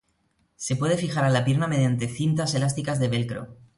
Se puede fijar a la pierna mediante cintas elásticas de velcro.